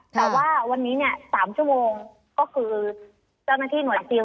แต่ว่าวันนี้เนี่ย๓ชั่วโมงก็คือเจ้าหน้าที่หน่วยซิล